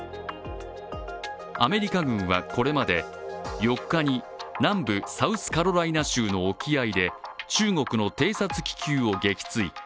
アメリカ軍はこれまで、４日に南部サウスカロライナ州の沖合で、中国の偵察気球を撃墜。